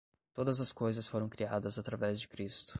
Todas as coisas foram criadas através de Cristo